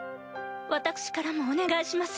私からもお願いします。